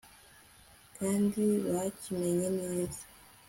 kandi bakimenye neza